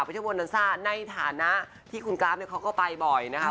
เที่ยวโบนัสซ่าในฐานะที่คุณกราฟเนี่ยเขาก็ไปบ่อยนะคะ